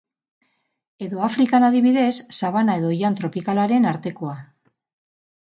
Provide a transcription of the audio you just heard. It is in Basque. Edo Afrikan, adibidez, sabana eta oihan tropikalaren artekoa.